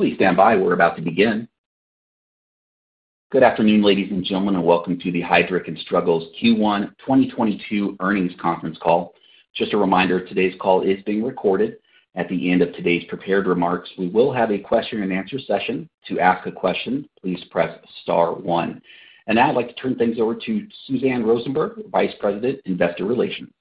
Please stand by. We're about to begin. Good afternoon, ladies and gentlemen, and welcome to the Heidrick & Struggles Q1 2022 Earnings Conference Call. Just a reminder, today's call is being recorded. At the end of today's prepared remarks, we will have a question-and-answer session. To ask a question, please press star one. Now I'd like to turn things over to Suzanne Rosenberg, Vice President, Investor Relations.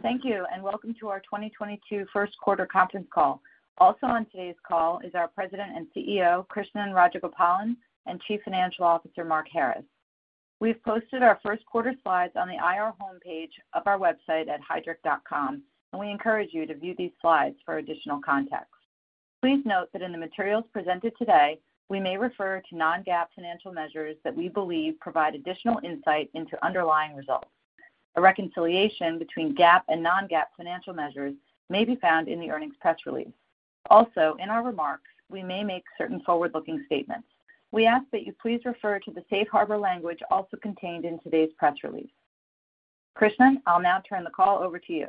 Thank you, and welcome to our 2022 first quarter conference call. Also on today's call is our President and CEO, Krishnan Rajagopalan, and Chief Financial Officer, Mark Harris. We've posted our first quarter slides on the IR homepage of our website at heidrick.com, and we encourage you to view these slides for additional context. Please note that in the materials presented today, we may refer to Non-GAAP financial measures that we believe provide additional insight into underlying results. A reconciliation between GAAP and Non-GAAP financial measures may be found in the earnings press release. Also, in our remarks, we may make certain forward-looking statements. We ask that you please refer to the safe harbor language also contained in today's press release. Krishnan, I'll now turn the call over to you.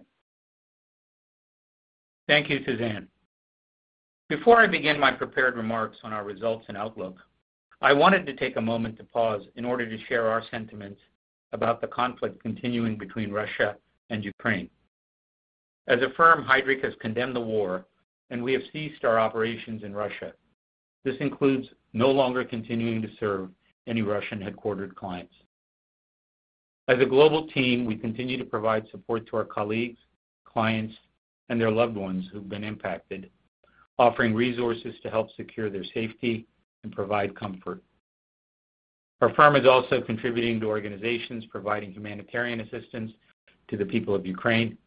Thank you, Suzanne. Before I begin my prepared remarks on our results and outlook, I wanted to take a moment to pause in order to share our sentiments about the conflict continuing between Russia and Ukraine. As a firm, Heidrick has condemned the war, and we have ceased our operations in Russia. This includes no longer continuing to serve any Russian-headquartered clients. As a global team, we continue to provide support to our colleagues, clients, and their loved ones who've been impacted, offering resources to help secure their safety and provide comfort. Our firm is also contributing to organizations providing humanitarian assistance to the people of Ukraine,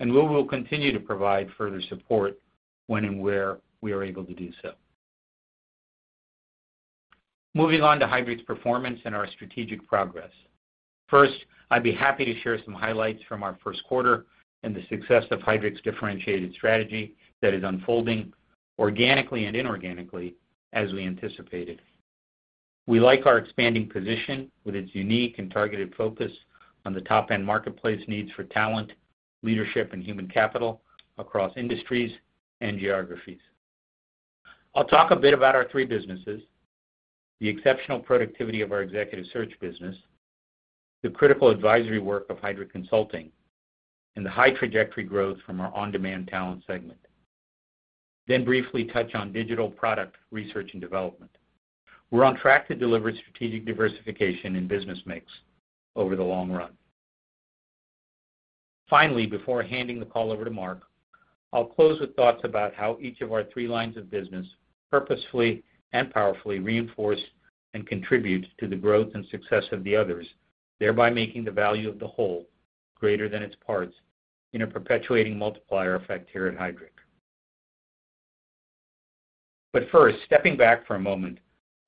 and we will continue to provide further support when and where we are able to do so. Moving on to Heidrick's performance and our strategic progress. First, I'd be happy to share some highlights from our first quarter and the success of Heidrick & Struggles' differentiated strategy that is unfolding organically and inorganically as we anticipated. We like our expanding position with its unique and targeted focus on the top-end marketplace needs for talent, leadership, and human capital across industries and geographies. I'll talk a bit about our three businesses, the exceptional productivity of our Executive Search business, the critical advisory work of Heidrick Consulting, and the high trajectory growth from our On-Demand Talent segment. Then briefly touch on digital product research and development. We're on track to deliver strategic diversification in business mix over the long run. Finally, before handing the call over to Mark, I'll close with thoughts about how each of our three lines of business purposefully and powerfully reinforce and contribute to the growth and success of the others, thereby making the value of the whole greater than its parts in a perpetuating multiplier effect here at Heidrick. First, stepping back for a moment,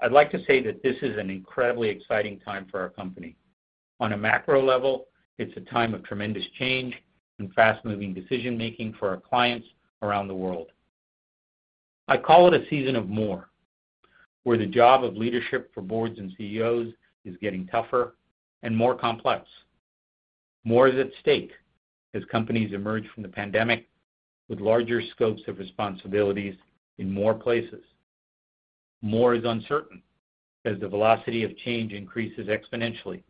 I'd like to say that this is an incredibly exciting time for our company. On a macro level, it's a time of tremendous change and fast-moving decision-making for our clients around the world. I call it a season of more, where the job of leadership for boards and CEOs is getting tougher and more complex. More is at stake as companies emerge from the pandemic with larger scopes of responsibilities in more places. More is uncertain as the velocity of change increases exponentially.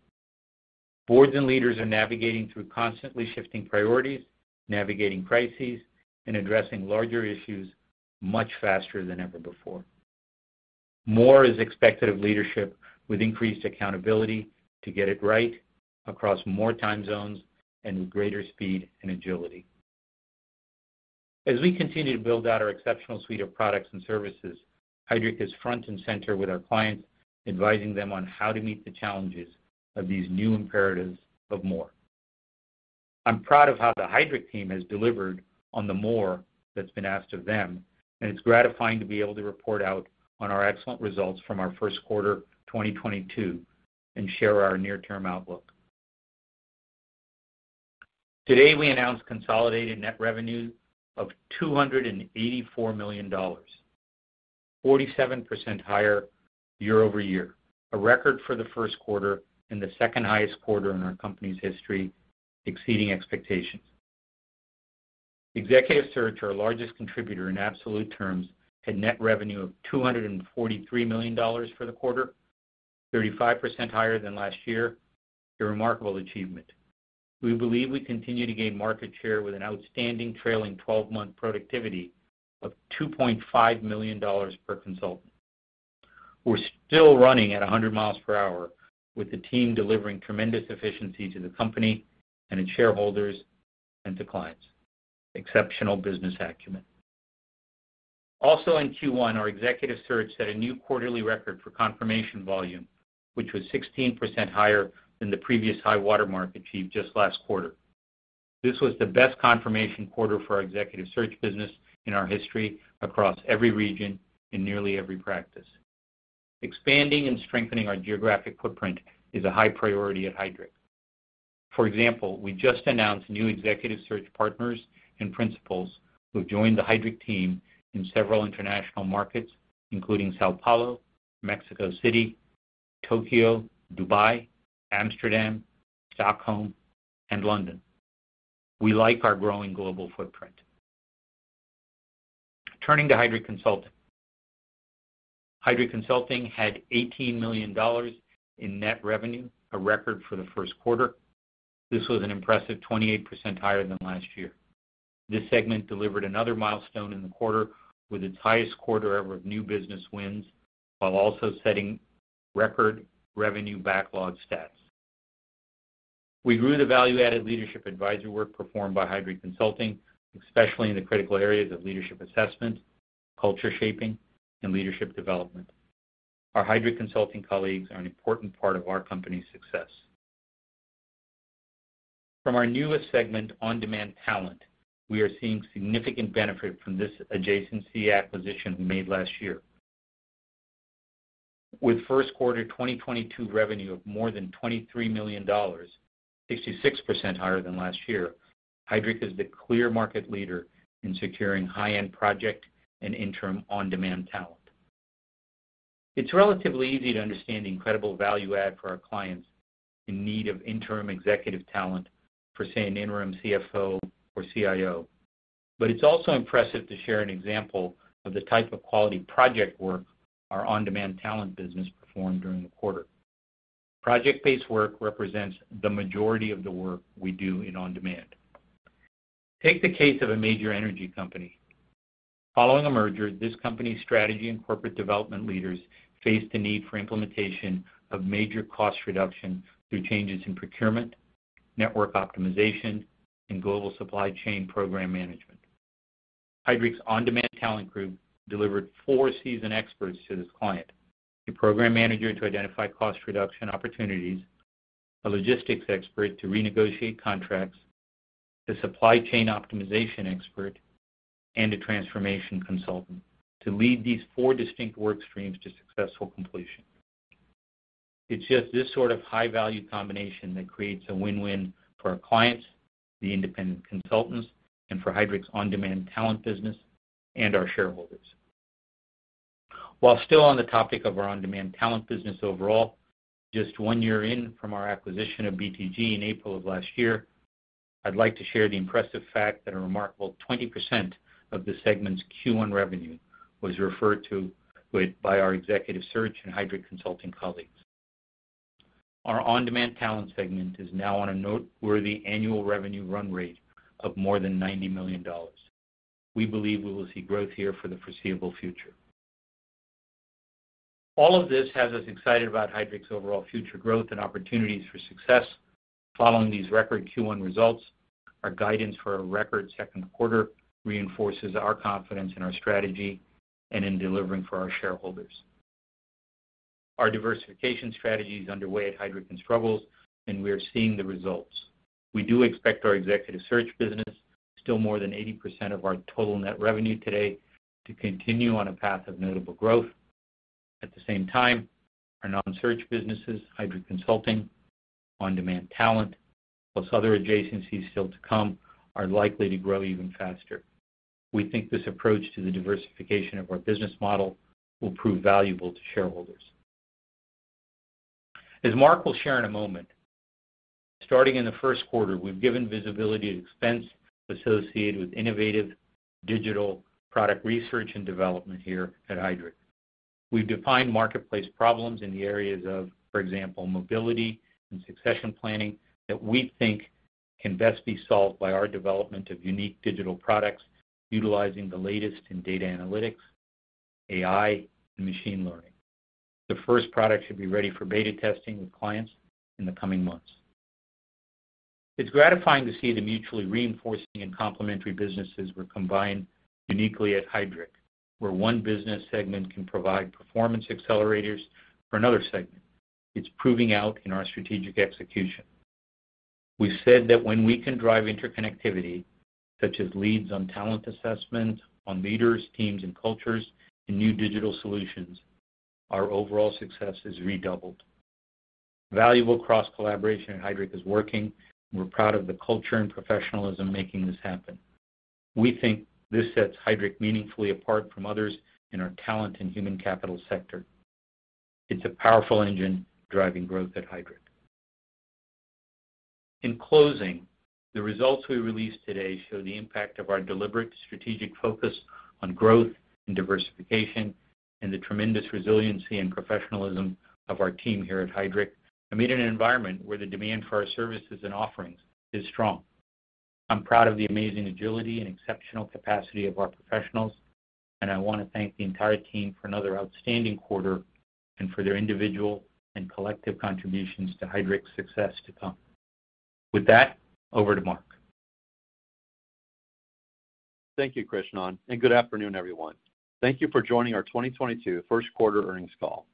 Boards and leaders are navigating through constantly shifting priorities, navigating crises, and addressing larger issues much faster than ever before. More is expected of leadership with increased accountability to get it right across more time zones and with greater speed and agility. As we continue to build out our exceptional suite of products and services, Heidrick is front and center with our clients, advising them on how to meet the challenges of these new imperatives of more. I'm proud of how the Heidrick team has delivered on the more that's been asked of them, and it's gratifying to be able to report out on our excellent results from our first quarter 2022 and share our near-term outlook. Today, we announced consolidated net revenue of $284 million, 47% higher year-over-year, a record for the first quarter and the second highest quarter in our company's history, exceeding expectations. Executive Search, our largest contributor in absolute terms, had net revenue of $243 million for the quarter, 35% higher than last year, a remarkable achievement. We believe we continue to gain market share with an outstanding trailing 12-month productivity of $2.5 million per consultant. We're still running at 100 miles per hour with the team delivering tremendous efficiency to the company and its shareholders and to clients. Exceptional business acumen. Also, in Q1, our Executive Search set a new quarterly record for confirmation volume, which was 16% higher than the previous high-water mark achieved just last quarter. This was the best confirmation quarter for our Executive Search business in our history across every region in nearly every practice. Expanding and strengthening our geographic footprint is a high priority at Heidrick. For example, we just announced new Executive Search partners and principals who have joined the Heidrick team in several international markets, including São Paulo, Mexico City, Tokyo, Dubai, Amsterdam, Stockholm, and London. We like our growing global footprint. Turning to Heidrick Consulting. Heidrick Consulting had $18 million in net revenue, a record for the first quarter. This was an impressive 28% higher than last year. This segment delivered another milestone in the quarter with its highest quarter ever of new business wins, while also setting record revenue backlog stats. We grew the value-added leadership advisory work performed by Heidrick Consulting, especially in the critical areas of leadership assessment, culture shaping, and leadership development. Our Heidrick Consulting colleagues are an important part of our company's success. From our newest segment, On-Demand Talent, we are seeing significant benefit from this adjacency acquisition we made last year. With first quarter 2022 revenue of more than $23 million, 66% higher than last year, Heidrick is the clear market leader in securing high-end project and interim on-demand talent. It's relatively easy to understand the incredible value add for our clients in need of interim executive talent for, say, an interim CFO or CIO. It's also impressive to share an example of the type of quality project work our On-Demand Talent business performed during the quarter. Project-based work represents the majority of the work we do in On-Demand. Take the case of a major energy company. Following a merger, this company's strategy and corporate development leaders faced a need for implementation of major cost reduction through changes in procurement, network optimization, and global supply chain program management. Heidrick's On-Demand Talent group delivered four seasoned experts to this client, a program manager to identify cost reduction opportunities, a logistics expert to renegotiate contracts, a supply chain optimization expert, and a transformation consultant to lead these four distinct work streams to successful completion. It's just this sort of high-value combination that creates a win-win for our clients, the independent consultants, and for Heidrick's On-Demand Talent business and our shareholders. While still on the topic of our On-Demand Talent business overall, just one year in from our acquisition of BTG in April of last year, I'd like to share the impressive fact that a remarkable 20% of the segment's Q1 revenue was referred to by our Executive Search and Heidrick Consulting colleagues. Our On-Demand Talent segment is now on a noteworthy annual revenue run rate of more than $90 million. We believe we will see growth here for the foreseeable future. All of this has us excited about Heidrick's overall future growth and opportunities for success. Following these record Q1 results, our guidance for a record second quarter reinforces our confidence in our strategy and in delivering for our shareholders. Our diversification strategy is underway at Heidrick & Struggles, and we are seeing the results. We do expect our Executive Search business, still more than 80% of our total net revenue today, to continue on a path of notable growth. At the same time, our non-search businesses, Heidrick Consulting, On-Demand Talent, plus other adjacencies still to come, are likely to grow even faster. We think this approach to the diversification of our business model will prove valuable to shareholders. As Mark will share in a moment, starting in the first quarter, we've given visibility to expense associated with innovative digital product research and development here at Heidrick. We've defined marketplace problems in the areas of, for example, mobility and succession planning that we think can best be solved by our development of unique digital products utilizing the latest in data analytics, AI, and machine learning. The first product should be ready for beta testing with clients in the coming months. It's gratifying to see the mutually reinforcing and complementary businesses were combined uniquely at Heidrick, where one business segment can provide performance accelerators for another segment. It's proving out in our strategic execution. We've said that when we can drive interconnectivity, such as leads on talent assessments on leaders, teams, and cultures, and new digital solutions, our overall success is redoubled. Valuable cross-collaboration at Heidrick is working. We're proud of the culture and professionalism making this happen. We think this sets Heidrick meaningfully apart from others in our talent and human capital sector. It's a powerful engine driving growth at Heidrick. In closing, the results we released today show the impact of our deliberate strategic focus on growth and diversification and the tremendous resiliency and professionalism of our team here at Heidrick amid an environment where the demand for our services and offerings is strong. I'm proud of the amazing agility and exceptional capacity of our professionals, and I want to thank the entire team for another outstanding quarter and for their individual and collective contributions to Heidrick's success to come. With that, over to Mark. Thank you, Krishnan, and good afternoon, everyone. Thank you for joining our 2022 first quarter earnings call.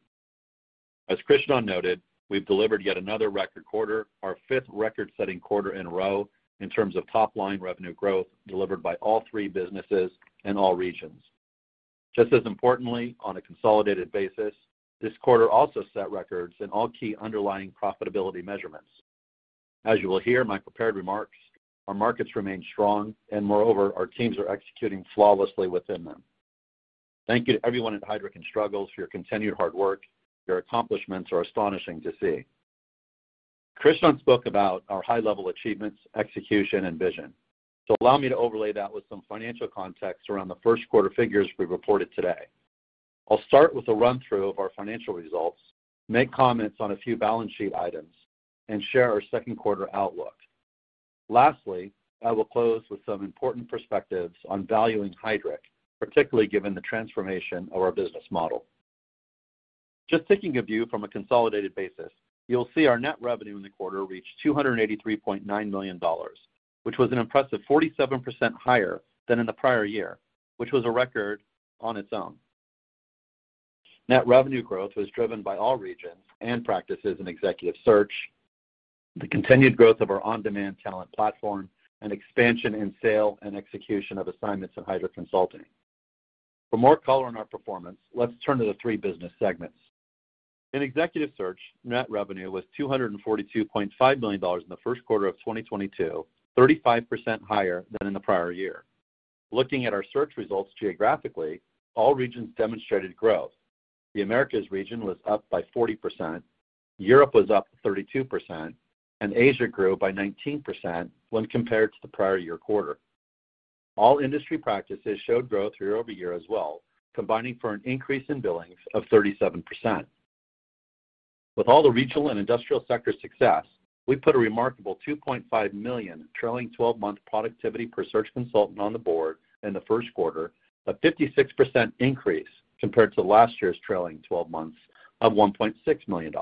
As Krishnan noted, we've delivered yet another record quarter, our fifth record-setting quarter in a row in terms of top-line revenue growth delivered by all three businesses in all regions. Just as importantly, on a consolidated basis, this quarter also set records in all key underlying profitability measurements. As you will hear in my prepared remarks, our markets remain strong, and moreover, our teams are executing flawlessly within them. Thank you to everyone at Heidrick & Struggles for your continued hard work. Your accomplishments are astonishing to see. Krishnan spoke about our high-level achievements, execution, and vision, allow me to overlay that with some financial context around the first quarter figures we reported today. I'll start with a run-through of our financial results, make comments on a few balance sheet items, and share our second quarter outlook. Lastly, I will close with some important perspectives on valuing Heidrick, particularly given the transformation of our business model. Just taking a view from a consolidated basis, you'll see our net revenue in the quarter reached $283.9 million, which was an impressive 47% higher than in the prior year, which was a record on its own. Net revenue growth was driven by all regions and practices in Executive Search, the continued growth of our On-Demand Talent platform, and expansion in sale and execution of assignments in Heidrick Consulting. For more color on our performance, let's turn to the three business segments. In Executive Search, net revenue was $242.5 million in the first quarter of 2022, 35% higher than in the prior year. Looking at our search results geographically, all regions demonstrated growth. The Americas region was up by 40%, Europe was up 32%, and Asia grew by 19% when compared to the prior year quarter. All industry practices showed growth year-over-year as well, combining for an increase in billings of 37%. With all the regional and industrial sector success, we put a remarkable $2.5 million trailing 12-month productivity per search consultant on the board in the first quarter, a 56% increase compared to last year's trailing 12 months of $1.6 million.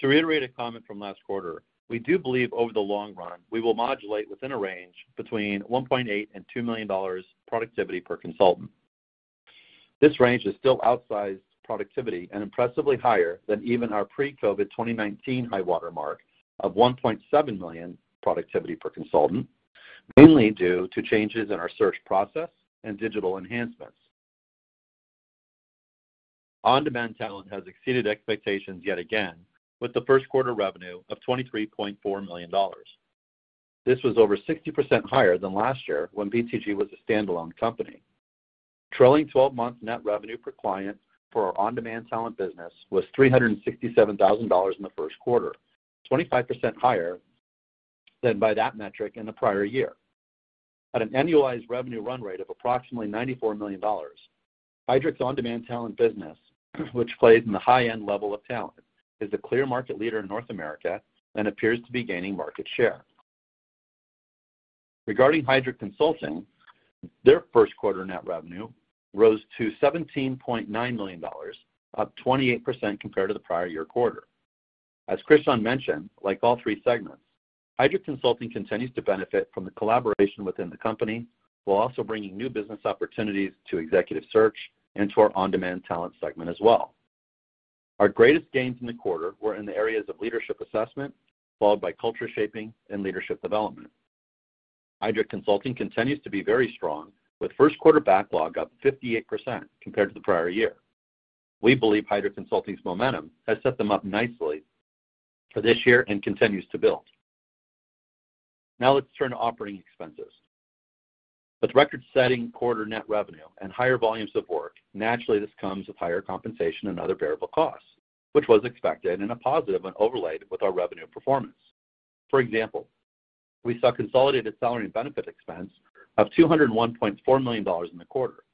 To reiterate a comment from last quarter, we do believe over the long run, we will modulate within a range between $1.8 million and $2 million productivity per consultant. This range is still outsized productivity and impressively higher than even our pre-COVID 2019 high water mark of $1.7 million productivity per consultant, mainly due to changes in our search process and digital enhancements. On-Demand Talent has exceeded expectations yet again with the first quarter revenue of $23.4 million. This was over 60% higher than last year when BTG was a standalone company. Trailing 12-month net revenue per client for our On-Demand Talent business was $367,000 in the first quarter, 25% higher than by that metric in the prior year. At an annualized revenue run rate of approximately $94 million, Heidrick & Struggles' On-Demand Talent business, which plays in the high-end level of talent, is the clear market leader in North America and appears to be gaining market share. Regarding Heidrick Consulting, their first quarter net revenue rose to $17.9 million, up 28% compared to the prior year quarter. Krishnan mentioned, like all three segments, Heidrick Consulting continues to benefit from the collaboration within the company, while also bringing new business opportunities to Executive Search and to our On-Demand Talent segment as well. Our greatest gains in the quarter were in the areas of leadership assessment, followed by culture shaping and leadership development. Heidrick Consulting continues to be very strong, with first quarter backlog up 58% compared to the prior year. We believe Heidrick Consulting's momentum has set them up nicely for this year and continues to build. Now let's turn to operating expenses. With record-setting quarter net revenue and higher volumes of work, naturally, this comes with higher compensation and other variable costs, which was expected and a positive when overlaid with our revenue performance. For example, we saw consolidated salary and benefit expense of $201.4 million in the quarter,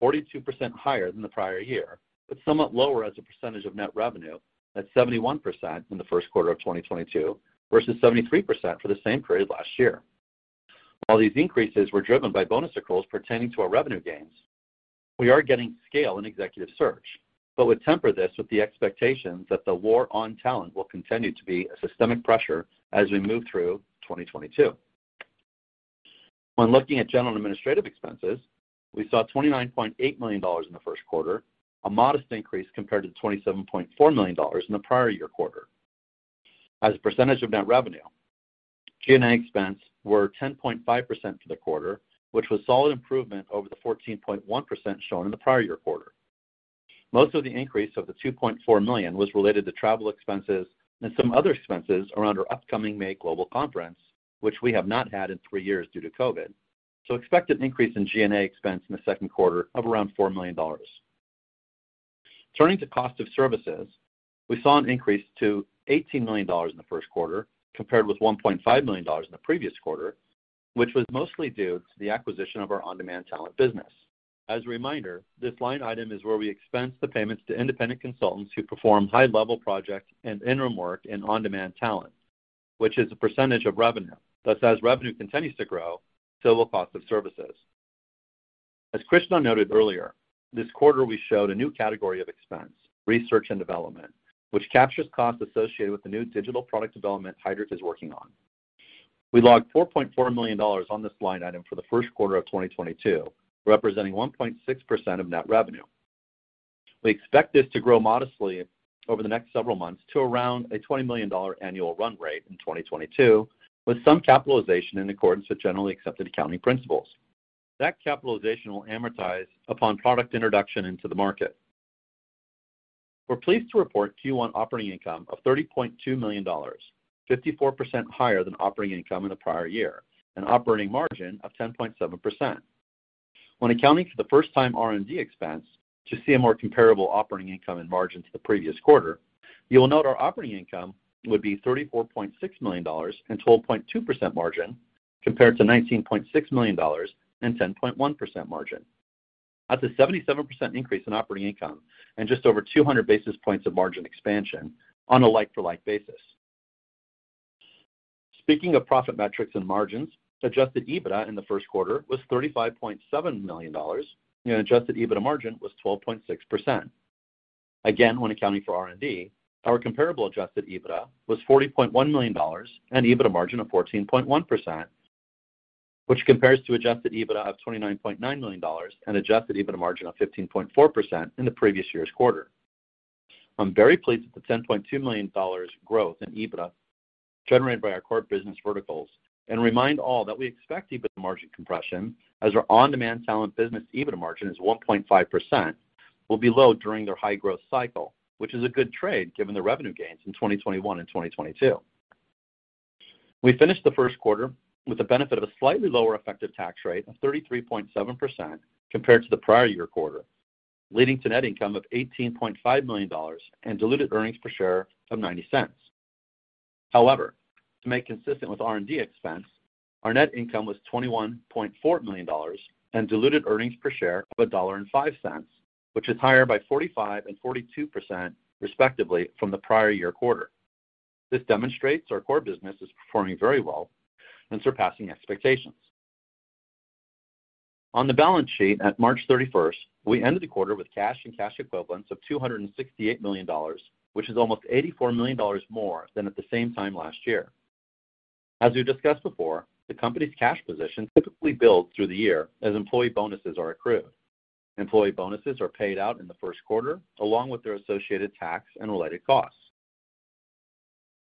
42% higher than the prior year, but somewhat lower as a percentage of net revenue at 71% in the first quarter of 2022 versus 73% for the same period last year. While these increases were driven by bonus accruals pertaining to our revenue gains, we are getting scale in Executive Search but would temper this with the expectations that the war on talent will continue to be a systemic pressure as we move through 2022. When looking at general and administrative expenses, we saw $29.8 million in the first quarter, a modest increase compared to $27.4 million in the prior year quarter. As a percentage of net revenue, G&A expense were 10.5% for the quarter, which was solid improvement over the 14.1% shown in the prior year quarter. Most of the increase of the $2.4 million was related to travel expenses and some other expenses around our upcoming May global conference, which we have not had in three years due to COVID. Expect an increase in G&A expense in the second quarter of around $4 million. Turning to cost of services, we saw an increase to $18 million in the first quarter, compared with $1.5 million in the previous quarter, which was mostly due to the acquisition of our On-Demand Talent business. As a reminder, this line item is where we expense the payments to independent consultants who perform high-level projects and interim work in On-Demand Talent, which is a percentage of revenue. Thus, as revenue continues to grow, so will cost of services. As Krishnan noted earlier, this quarter we showed a new category of expense, research and development, which captures costs associated with the new digital product development Heidrick is working on. We logged $4.4 million on this line item for the first quarter of 2022, representing 1.6% of net revenue. We expect this to grow modestly over the next several months to around a $20 million annual run rate in 2022, with some capitalization in accordance with generally accepted accounting principles. That capitalization will amortize upon product introduction into the market. We're pleased to report Q1 operating income of $30.2 million, 54% higher than operating income in the prior year, an operating margin of 10.7%. When accounting for the first time R&D expense to see a more comparable operating income and margin to the previous quarter, you will note our operating income would be $34.6 million and 12.2% margin compared to $19.6 million and 10.1% margin. That's a 77% increase in operating income and just over 200 basis points of margin expansion on a like-for-like basis. Speaking of profit metrics and margins, adjusted EBITDA in the first quarter was $35.7 million, and adjusted EBITDA margin was 12.6%. Again, when accounting for R&D, our comparable adjusted EBITDA was $40.1 million and EBITDA margin of 14.1%, which compares to adjusted EBITDA of $29.9 million and adjusted EBITDA margin of 15.4% in the previous year's quarter. I'm very pleased with the $10.2 million growth in EBITDA generated by our core business verticals. Remind all that we expect EBITDA margin compression as our On-Demand Talent business EBITDA margin is 1.5% will be low during their high-growth cycle, which is a good trade given the revenue gains in 2021 and 2022. We finished the first quarter with the benefit of a slightly lower effective tax rate of 33.7% compared to the prior year quarter, leading to net income of $18.5 million and diluted earnings per share of $0.90. However, to make consistent with R&D expense, our net income was $21.4 million and diluted earnings per share of $1.05, which is higher by 45% and 42% respectively from the prior year quarter. This demonstrates our core business is performing very well and surpassing expectations. On the balance sheet at March 31st, we ended the quarter with cash and cash equivalents of $268 million, which is almost $84 million more than at the same time last year. As we've discussed before, the company's cash position typically builds through the year as employee bonuses are accrued. Employee bonuses are paid out in the first quarter, along with their associated tax and related costs.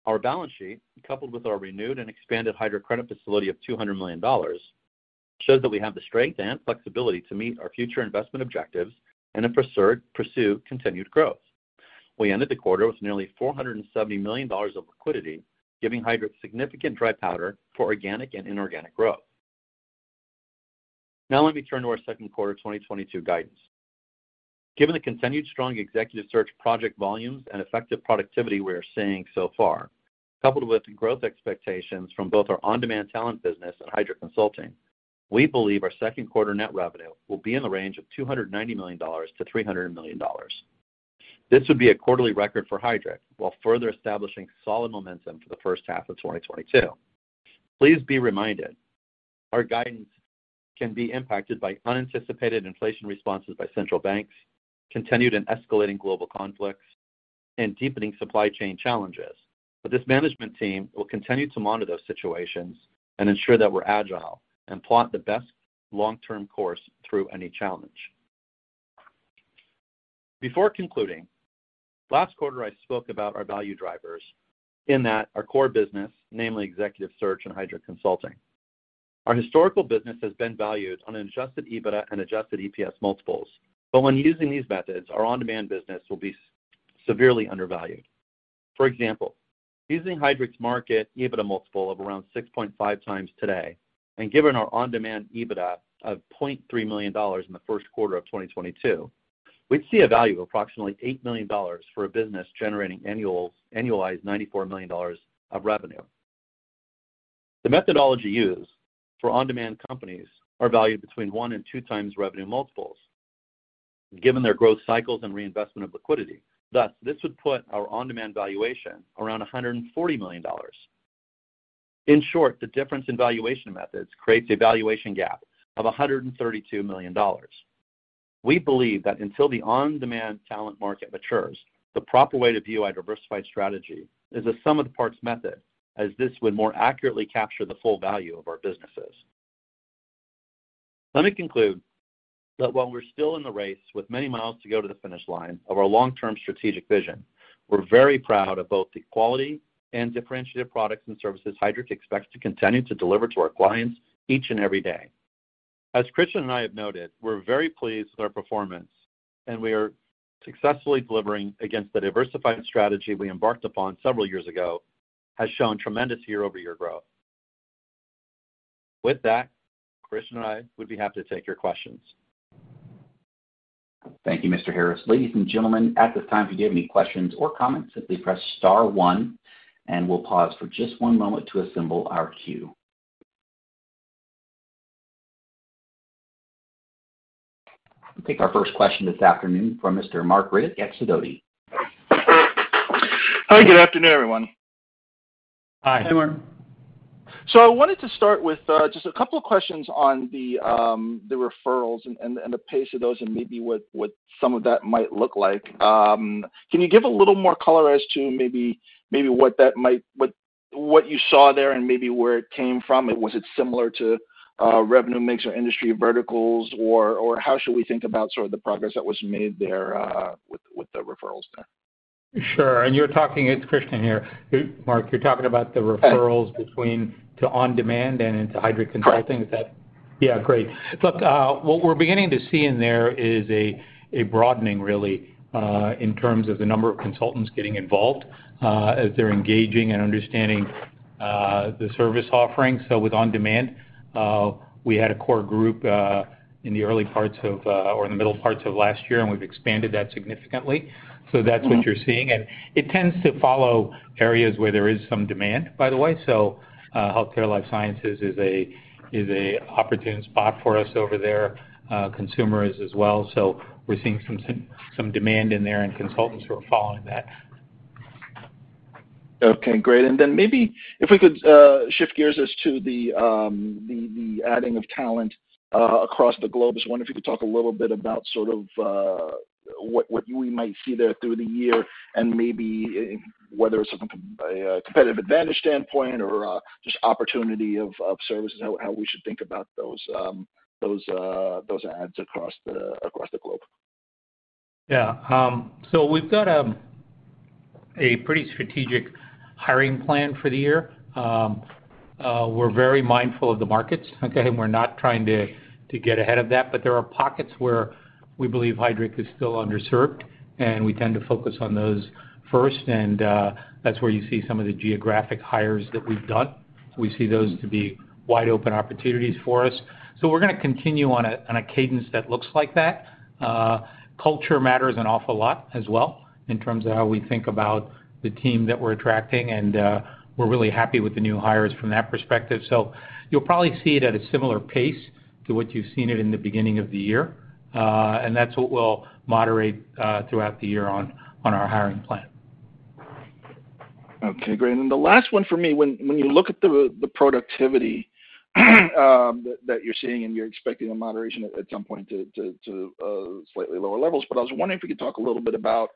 Our balance sheet, coupled with our renewed and expanded Heidrick credit facility of $200 million, shows that we have the strength and flexibility to meet our future investment objectives and to pursue continued growth. We ended the quarter with nearly $470 million of liquidity, giving Heidrick significant dry powder for organic and inorganic growth. Now let me turn to our second quarter 2022 guidance. Given the continued strong Executive Search project volumes and effective productivity, we are seeing so far, coupled with growth expectations from both our On-Demand Talent business and Heidrick Consulting, we believe our second quarter net revenue will be in the range of $290 million-$300 million. This would be a quarterly record for Heidrick, while further establishing solid momentum for the first half of 2022. Please be reminded, our guidance can be impacted by unanticipated inflation responses by central banks, continued and escalating global conflicts, and deepening supply chain challenges. This management team will continue to monitor those situations and ensure that we're agile and plot the best long-term course through any challenge. Before concluding, last quarter, I spoke about our value drivers in that our core business, namely executive search and Heidrick Consulting. Our historical business has been valued on an adjusted EBITDA and adjusted EPS multiples. When using these methods, our on-demand business will be severely undervalued. For example, using Heidrick's market EBITDA multiple of around 6.5x today, and given our on-demand EBITDA of $0.3 million in the first quarter of 2022, we'd see a value of approximately $8 million for a business generating annualized $94 million of revenue. The methodology used for on-demand companies are valued between 1x and 2x revenue multiples, given their growth cycles and reinvestment of liquidity. Thus, this would put our on-demand valuation around $140 million. In short, the difference in valuation methods creates a valuation gap of $132 million. We believe that until the On-Demand Talent market matures, the proper way to view our diversified strategy is a sum of the parts method, as this would more accurately capture the full value of our businesses. Let me conclude that while we're still in the race with many miles to go to the finish line of our long-term strategic vision, we're very proud of both the quality and differentiated products and services Heidrick & Struggles expects to continue to deliver to our clients each and every day. As Krishnan and I have noted, we're very pleased with our performance, and we are successfully delivering against the diversified strategy we embarked upon several years ago, has shown tremendous year-over-year growth. With that, Krishnan and I would be happy to take your questions. Thank you, Mr. Harris. Ladies and gentlemen, at this time, if you do have any questions or comments, simply press star one, and we'll pause for just one moment to assemble our queue. We'll take our first question this afternoon from Mr. Marc Riddick at Sidoti & Company. Hi, good afternoon, everyone. Hi. Hey, Mark. I wanted to start with just a couple of questions on the referrals and the pace of those and maybe what some of that might look like. Can you give a little more color as to what you saw there and maybe where it came from? Was it similar to revenue mix or industry verticals or how should we think about sort of the progress that was made there with the referrals there? Sure. You're talking. It's Krishnan here. Mark, you're talking about the referrals. Yes... between to On-Demand and into Heidrick Consulting. Correct. Yeah, great. Look, what we're beginning to see in there is a broadening really in terms of the number of consultants getting involved as they're engaging and understanding the service offerings. With on-demand, we had a core group in the middle parts of last year, and we've expanded that significantly. That's what you're seeing. It tends to follow areas where there is some demand, by the way. Healthcare life sciences is an opportune spot for us over there. Consumer is as well. We're seeing some demand in there and consultants who are following that. Okay, great. Maybe if we could shift gears as to the adding of talent across the globe. Just wondering if you could talk a little bit about sort of what we might see there through the year and maybe whether it's from a competitive advantage standpoint or just opportunity of services and how we should think about those ads across the globe. Yeah. So, we've got a pretty strategic hiring plan for the year. We're very mindful of the markets, okay? We're not trying to get ahead of that, but there are pockets where we believe Heidrick is still underserved, and we tend to focus on those first. That's where you see some of the geographic hires that we've done. We see those to be wide-open opportunities for us. We're gonna continue on a cadence that looks like that. Culture matters an awful lot as well in terms of how we think about the team that we're attracting, and we're really happy with the new hires from that perspective. You'll probably see it at a similar pace to what you've seen it in the beginning of the year, and that's what we'll moderate throughout the year on our hiring plan. Okay, great. The last one for me, when you look at the productivity that you're seeing and you're expecting a moderation at some point to slightly lower levels, but I was wondering if you could talk a little bit about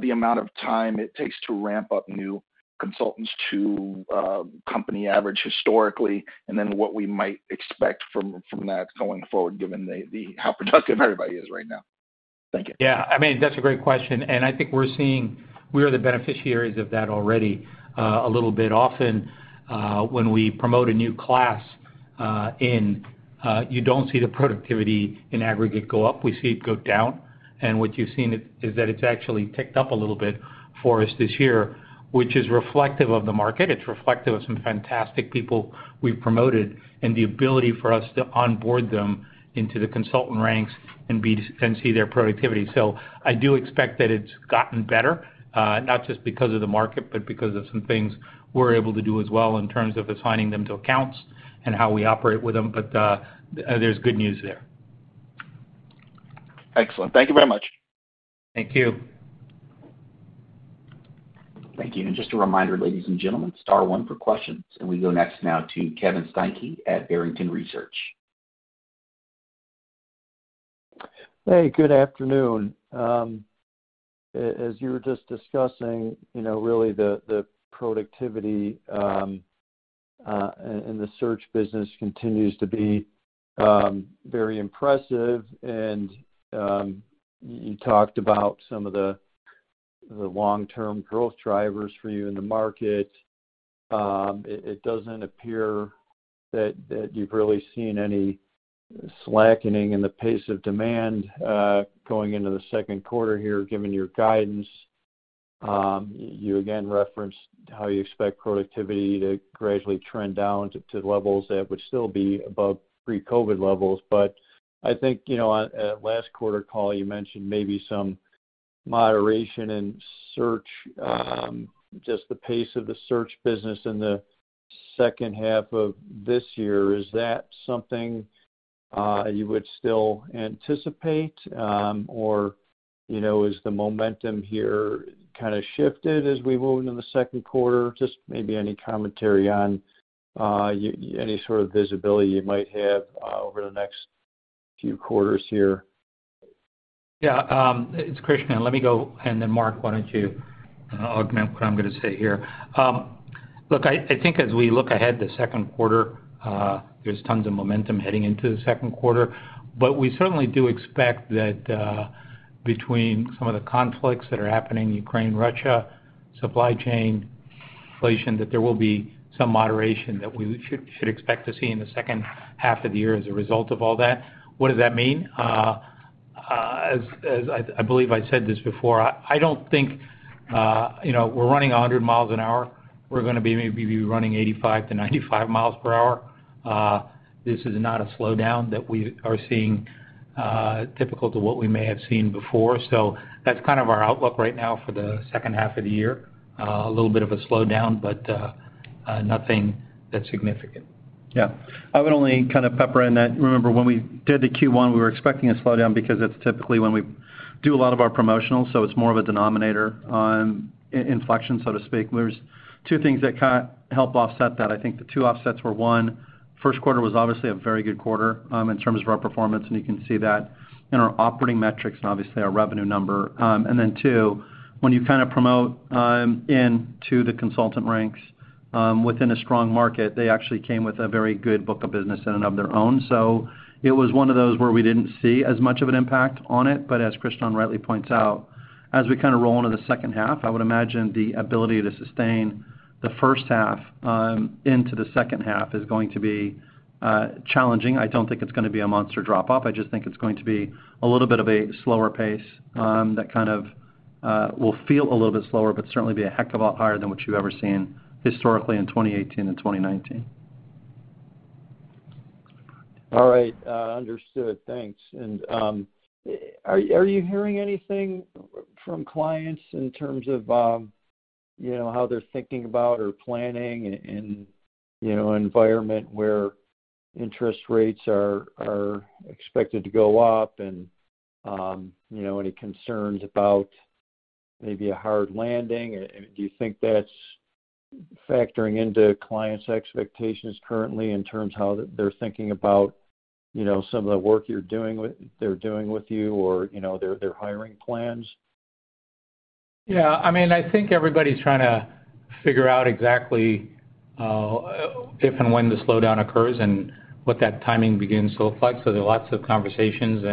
the amount of time it takes to ramp up new consultants to company average historically, and then what we might expect from that going forward, given how productive everybody is right now. Thank you. Yeah. I mean, that's a great question, and I think we're seeing the beneficiaries of that already, a little bit. Often, when we promote a new class, you don't see the productivity in aggregate go up. We see it go down. What you've seen is that it's actually ticked up a little bit for us this year, which is reflective of the market. It's reflective of some fantastic people we've promoted and the ability for us to onboard them into the consultant ranks and see their productivity. I do expect that it's gotten better, not just because of the market, but because of some things we're able to do as well in terms of assigning them to accounts and how we operate with them. There's good news there. Excellent. Thank you very much. Thank you. Thank you. Just a reminder, ladies and gentlemen, star one for questions. We go next now to Kevin Steinke at Barrington Research. Hey, good afternoon. As you were just discussing, you know, really the productivity in the search business continues to be very impressive. You talked about some of the long-term growth drivers for you in the market. It doesn't appear that you've really seen any slackening in the pace of demand going into the second quarter here, given your guidance. You again referenced how you expect productivity to gradually trend down to levels that would still be above pre-COVID levels. I think, you know, on last quarter call, you mentioned maybe some moderation in search, just the pace of the search business in the second half of this year. Is that something you would still anticipate? You know, has the momentum here kinda shifted as we move into the second quarter? Just maybe any commentary on any sort of visibility you might have over the next few quarters here? It's Krishnan. Let me go, and then Mark, why don't you augment what I'm gonna say here. Look, I think as we look ahead to the second quarter, there's tons of momentum heading into the second quarter. We certainly do expect that, between some of the conflicts that are happening, Ukraine, Russia, supply chain inflation, that there will be some moderation that we should expect to see in the second half of the year as a result of all that. What does that mean? As I believe I said this before, I don't think, you know, we're running 100 miles an hour. We're gonna be maybe running 85 miles-95 miles per hour. This is not a slowdown that we are seeing typical to what we may have seen before. That's kind of our outlook right now for the second half of the year. A little bit of a slowdown, but nothing that significant. Yeah. I would only kind of pepper in that. Remember, when we did the Q1, we were expecting a slowdown because that's typically when we do a lot of our promotionals, so it's more of a denominator on an inflection, so to speak. There are two things that kinda help offset that. I think the two offsets were, one, first quarter was obviously a very good quarter in terms of our performance, and you can see that in our operating metrics and obviously our revenue number. And then two, when you kind of promote into the consultant ranks- Within a strong market, they actually came with a very good book of business in and of their own. It was one of those where we didn't see as much of an impact on it. As Krishnan rightly points out, as we kinda roll into the second half, I would imagine the ability to sustain the first half into the second half is going to be challenging. I don't think it's gonna be a monster drop-off. I just think it's going to be a little bit of a slower pace that kind of will feel a little bit slower but certainly be a heck of a lot higher than what you've ever seen historically in 2018 and 2019. All right, understood. Thanks. Are you hearing anything from clients in terms of, you know, how they're thinking about or planning in, you know, an environment where interest rates are expected to go up and, you know, any concerns about maybe a hard landing? Do you think that's factoring into clients' expectations currently in terms of how they're thinking about, you know, some of the work they're doing with you or, you know, their hiring plans? Yeah. I mean, I think everybody's trying to figure out exactly if and when the slowdown occurs and what that timing begins to look like. There are lots of conversations,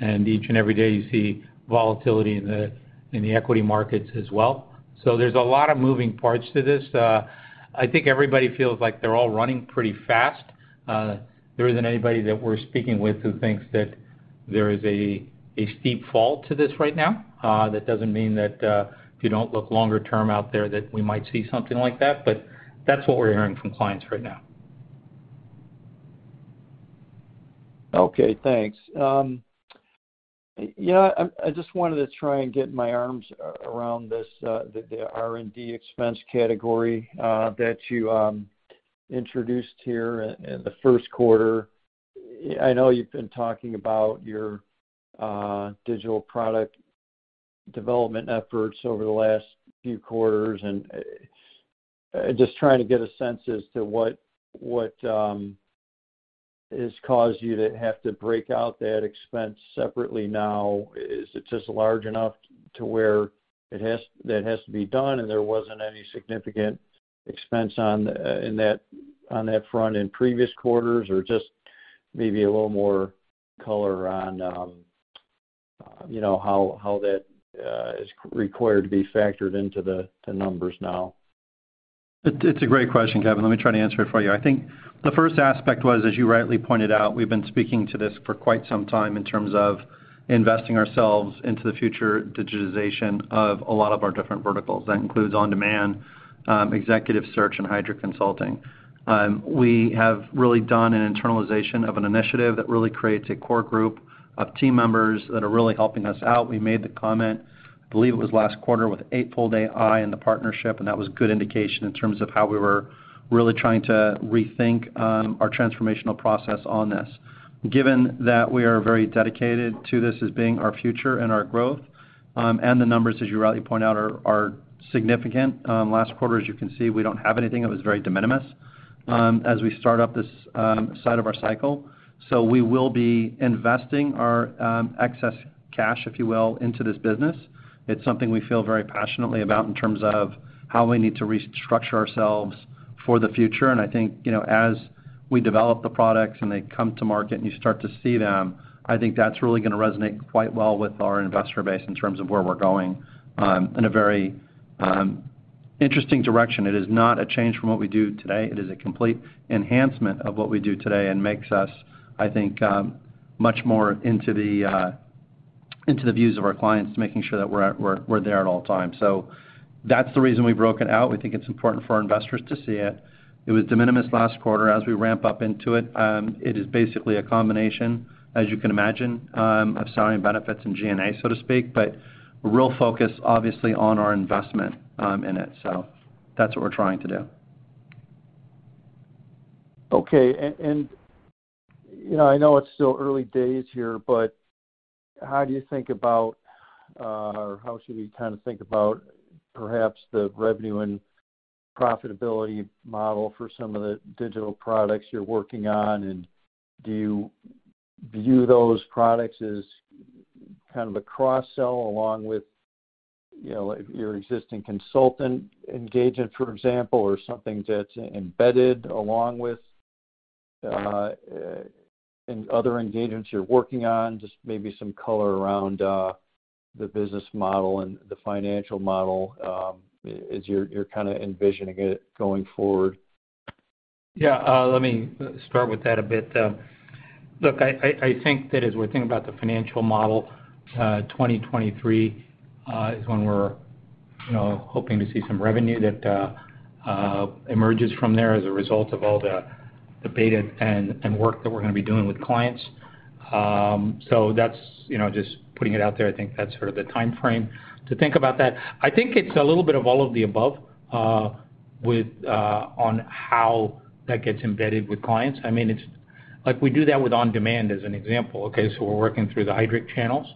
and each and every day you see volatility in the equity markets as well. There's a lot of moving parts to this. I think everybody feels like they're all running pretty fast. There isn't anybody that we're speaking with who thinks that there is a steep fall to this right now. That doesn't mean that if you don't look longer term out there, that we might see something like that, but that's what we're hearing from clients right now. Okay. Thanks. Yeah, I just wanted to try and get my arms around this, the R&D expense category that you introduced here in the first quarter. I know you've been talking about your digital product development efforts over the last few quarters and just trying to get a sense as to what has caused you to have to break out that expense separately now. Is it just large enough to where it has to be done, and there wasn't any significant expense on that front in previous quarters? Or just maybe a little more color on, you know, how that is required to be factored into the numbers now. It's a great question, Kevin. Let me try to answer it for you. I think the first aspect was, as you rightly pointed out, we've been speaking to this for quite some time in terms of investing ourselves into the future digitization of a lot of our different verticals. That includes on-demand, executive search and Heidrick Consulting. We have really done an internalization of an initiative that really creates a core group of team members that are really helping us out. We made the comment, I believe it was last quarter, with Eightfold AI and the partnership, and that was good indication in terms of how we were really trying to rethink, our transformational process on this. Given that we are very dedicated to this as being our future and our growth, and the numbers, as you rightly point out, are significant. Last quarter, as you can see, we don't have anything. It was very de minimis, as we start up this side of our cycle. We will be investing our excess cash, if you will, into this business. It's something we feel very passionately about in terms of how we need to restructure ourselves for the future. I think, you know, as we develop the products and they come to market and you start to see them, I think that's really gonna resonate quite well with our investor base in terms of where we're going, in a very interesting direction. It is not a change from what we do today. It is a complete enhancement of what we do today and makes us, I think, much more into the views of our clients, making sure that we're there at all times. That's the reason we broke it out. We think it's important for our investors to see it. It was de minimis last quarter as we ramp up into it. It is basically a combination, as you can imagine, of selling benefits in G&A, so to speak, but real focus obviously on our investment in it. That's what we're trying to do. Okay. You know, I know it's still early days here, but how do you think about or how should we kinda think about perhaps the revenue and profitability model for some of the digital products you're working on, and do you view those products as kind of a cross-sell along with, you know, your existing consultant engagement, for example, or something that's embedded along with other engagements you're working on? Just maybe some color around the business model and the financial model, as you're kinda envisioning it going forward. Yeah. Let me start with that a bit. Look, I think that as we're thinking about the financial model, 2023 is when we're, you know, hoping to see some revenue that emerges from there as a result of all the beta and work that we're gonna be doing with clients. So that's, you know, just putting it out there. I think that's sort of the timeframe to think about that. I think it's a little bit of all of the above with on how that gets embedded with clients. I mean, it's like we do that with on-demand as an example, okay? So, we're working through the Heidrick channels,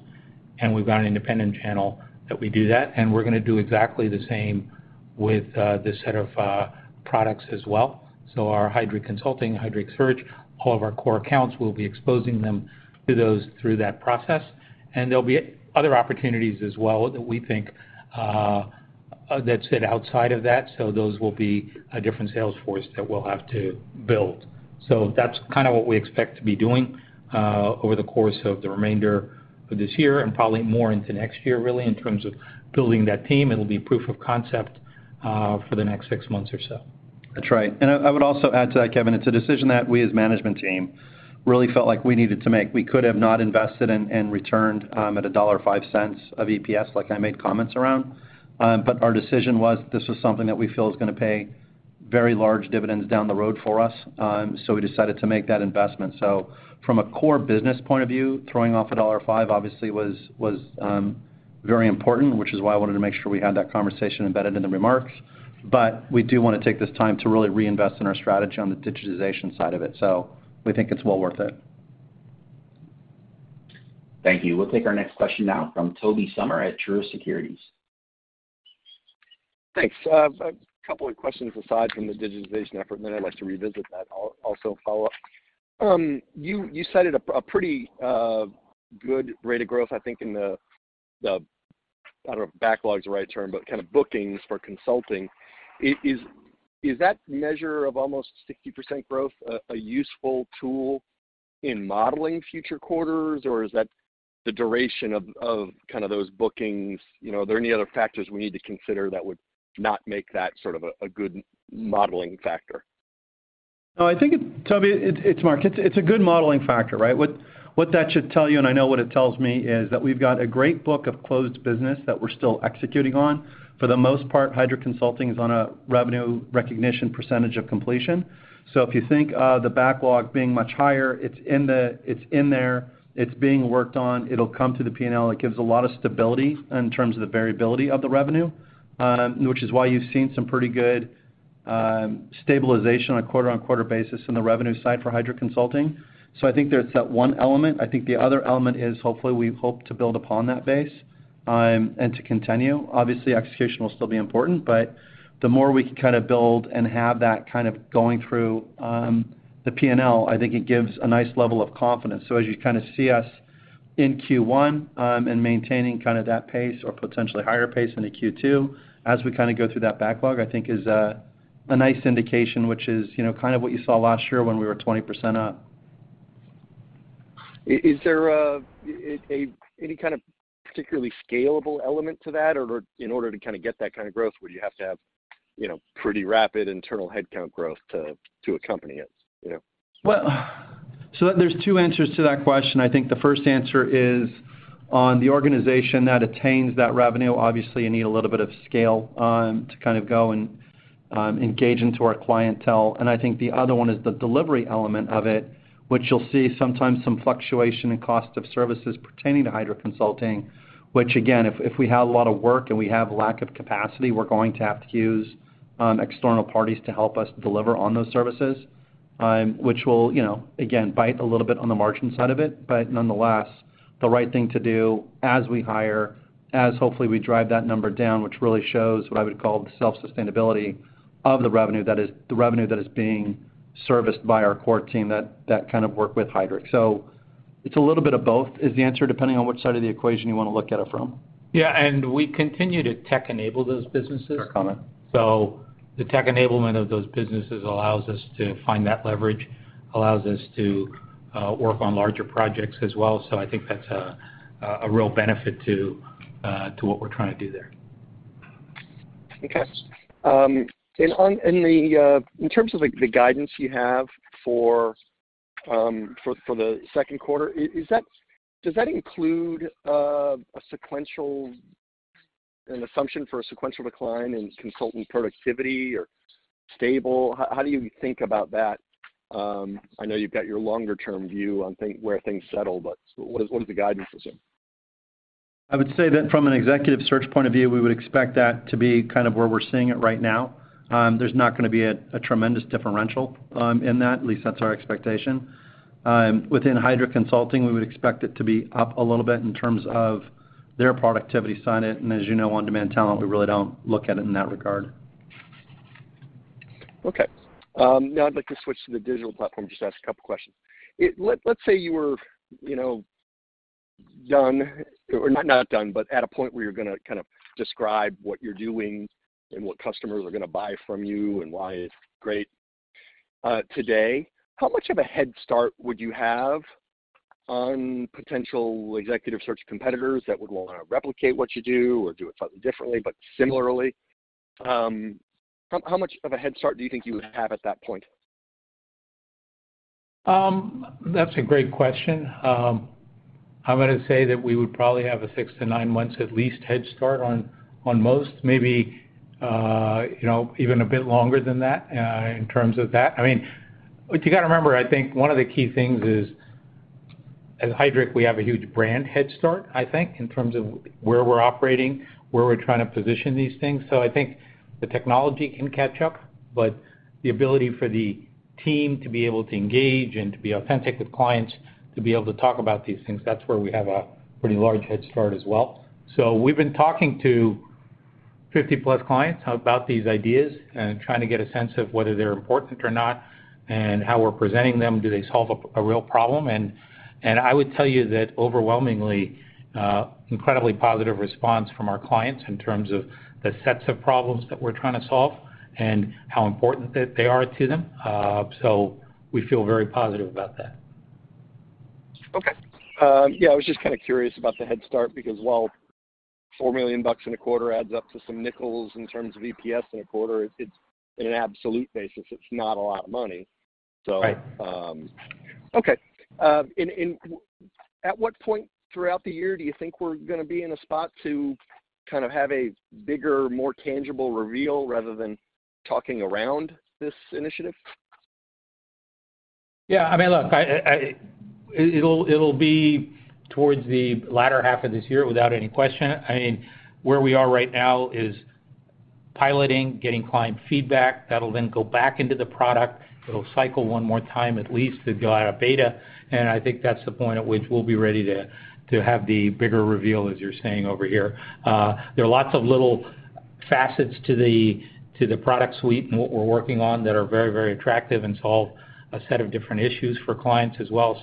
and we've got an independent channel that we do that, and we're gonna do exactly the same with this set of products as well. Our Heidrick Consulting, Heidrick Search, all of our core accounts, we'll be exposing them to those through that process. There'll be other opportunities as well that we think. That sits outside of that, so those will be a different sales force that we'll have to build. That's kinda what we expect to be doing over the course of the remainder of this year and probably more into next year really in terms of building that team. It'll be proof of concept for the next six months or so. That's right. I would also add to that, Kevin. It's a decision that we as management team really felt like we needed to make. We could have not invested and returned at $1.05 of EPS like I made comments around. Our decision was this is something that we feel is gonna pay very large dividends down the road for us. We decided to make that investment. From a core business point of view, throwing off $1.05 obviously was very important, which is why I wanted to make sure we had that conversation embedded in the remarks. We do wanna take this time to really reinvest in our strategy on the digitization side of it. We think it's well worth it. Thank you. We'll take our next question now from Tobey Sommer at Truist Securities. Thanks. A couple of questions aside from the digitization effort, then I'd like to revisit that, also follow up. You cited a pretty good rate of growth, I think, in the backlog. I don't know if backlog is the right term, but kind of bookings for consulting. Is that measure of almost 60% growth a useful tool in modeling future quarters, or is that the duration of kinda those bookings? You know, are there any other factors we need to consider that would not make that sort of a good modeling factor? No, I think it. Tobey, it's Mark. It's a good modeling factor, right? What that should tell you, and I know what it tells me, is that we've got a great book of closed business that we're still executing on. For the most part, Heidrick Consulting is on a revenue recognition percentage of completion. If you think of the backlog being much higher, it's in there, it's being worked on, it'll come to the P&L. It gives a lot of stability in terms of the variability of the revenue, which is why you've seen some pretty good stabilization on a quarter-on-quarter basis in the revenue side for Heidrick Consulting. I think there's that one element. I think the other element is hopefully we hope to build upon that base, and to continue. Obviously, execution will still be important, but the more we can kinda build and have that kind of going through, the P&L, I think it gives a nice level of confidence. As you kinda see us in Q1 and maintaining kinda that pace or potentially higher pace into Q2, as we kinda go through that backlog, I think is a nice indication, which is, you know, kind of what you saw last year when we were 20% up. Is there any kind of particularly scalable element to that? Or in order to kinda get that kind of growth, would you have to have, you know, pretty rapid internal headcount growth to accompany it, you know? Well, there's two answers to that question. I think the first answer is on the organization that attains that revenue. Obviously, you need a little bit of scale to kind of go and engage into our clientele. I think the other one is the delivery element of it, which you'll see sometimes some fluctuation in cost of services pertaining to Heidrick Consulting, which again, if we have a lot of work and we have lack of capacity, we're going to have to use external parties to help us deliver on those services, which will, you know, again, bite a little bit on the margin side of it. Nonetheless, the right thing to do as we hire, as hopefully we drive that number down, which really shows what I would call the self-sustainability of the revenue that is being serviced by our core team that kind of work with Heidrick. It's a little bit of both is the answer, depending on which side of the equation you wanna look at it from. Yeah, we continue to tech enable those businesses. Fair comment. The tech enablement of those businesses allows us to find that leverage, allows us to work on larger projects as well. I think that's a real benefit to what we're trying to do there. Okay. In terms of like the guidance you have for the second quarter, does that include an assumption for a sequential decline in consultant productivity or stable? How do you think about that? I know you've got your longer-term view on where things settle, but what does the guidance assume? I would say that from an Executive Search point of view, we would expect that to be kind of where we're seeing it right now. There's not gonna be a tremendous differential in that, at least that's our expectation. Within Heidrick Consulting, we would expect it to be up a little bit in terms of their productivity side. As you know, On-Demand Talent, we really don't look at it in that regard. Okay. Now I'd like to switch to the digital platform, just ask a couple questions. Let's say you were done, or not done, but at a point where you're gonna kinda describe what you're doing and what customers are gonna buy from you and why it's great today. How much of a head start would you have on potential Executive Search competitors that would wanna replicate what you do or do it slightly differently but similarly? How much of a head start do you think you would have at that point? That's a great question. I'm gonna say that we would probably have a 6-9 months at least head start on most, maybe, you know, even a bit longer than that, in terms of that. I mean, what you gotta remember, I think one of the key things is, at Heidrick, we have a huge brand head start, I think, in terms of where we're operating, where we're trying to position these things. I think the technology can catch up, but the ability for the team to be able to engage and to be authentic with clients, to be able to talk about these things, that's where we have a pretty large head start as well. We've been talking to 50-plus clients about these ideas and trying to get a sense of whether they're important or not and how we're presenting them. Do they solve a real problem? I would tell you that overwhelmingly, incredibly positive response from our clients in terms of the sets of problems that we're trying to solve and how important that they are to them. We feel very positive about that. Okay. Yeah, I was just kinda curious about the head start because while $4 million in a quarter adds up to some nickels in terms of EPS in a quarter, it's, on an absolute basis, not a lot of money. Right. Okay. At what point throughout the year do you think we're gonna be in a spot to kind of have a bigger, more tangible reveal rather than talking around this initiative? It'll be towards the latter half of this year without any question. I mean, where we are right now is piloting, getting client feedback. That'll then go back into the product. It'll cycle one more time at least to go out of beta, and I think that's the point at which we'll be ready to have the bigger reveal, as you're saying over here. There are lots of little facets to the product suite and what we're working on that are very, very attractive and solve a set of different issues for clients as well.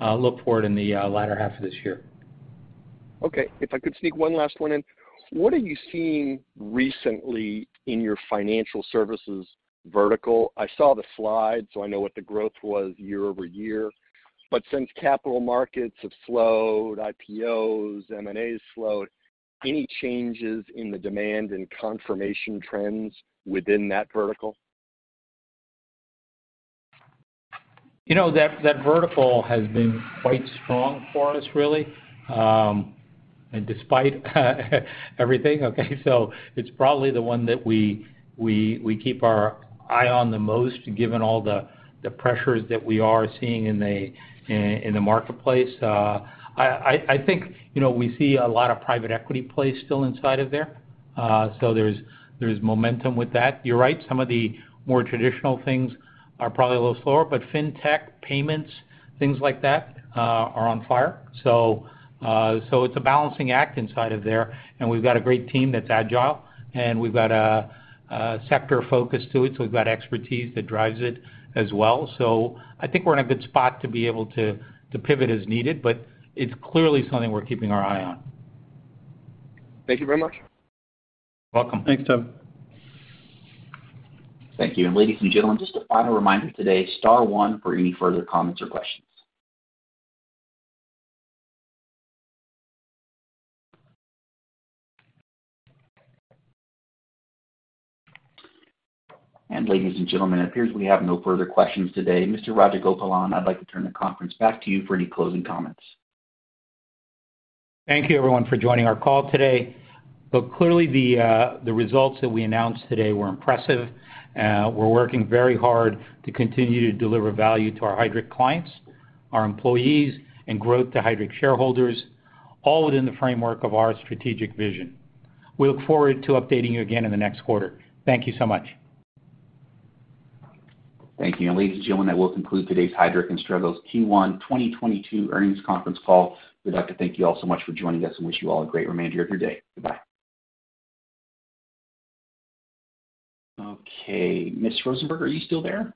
Look for it in the latter half of this year. Okay. If I could sneak one last one in. What are you seeing recently in your financial services vertical? I saw the slide, so I know what the growth was year-over-year. Since capital markets have slowed, IPOs, M&As slowed, any changes in the demand and compensation trends within that vertical? You know, that vertical has been quite strong for us, really, despite everything, okay? It's probably the one that we keep our eye on the most given all the pressures that we are seeing in the marketplace. I think, you know, we see a lot of private equity play still inside of there, so there's momentum with that. You're right, some of the more traditional things are probably a little slower, but fintech, payments, things like that, are on fire. It's a balancing act inside of there, and we've got a great team that's agile and we've got a sector focus to it, so we've got expertise that drives it as well. I think we're in a good spot to be able to pivot as needed, but it's clearly something we're keeping our eye on. Thank you very much. You're welcome. Thanks, Tom. Thank you. Ladies and gentlemen, just a final reminder today, star one for any further comments or questions. Ladies and gentlemen, it appears we have no further questions today. Mr. Krishnan Rajagopalan, I'd like to turn the conference back to you for any closing comments. Thank you everyone for joining our call today. Clearly the results that we announced today were impressive. We're working very hard to continue to deliver value to our Heidrick clients, our employees, and growth to Heidrick shareholders, all within the framework of our strategic vision. We look forward to updating you again in the next quarter. Thank you so much. Thank you. Ladies and gentlemen, that will conclude today's Heidrick & Struggles Q1 2022 earnings conference call. We'd like to thank you all so much for joining us and wish you all a great remainder of your day. Goodbye. Okay. Ms. Rosenberg, are you still there?